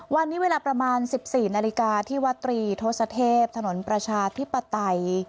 วันนี้เวลาประมาณ๑๔นาฬิกาที่วัตรีทศเทพถนนประชาธิปไตย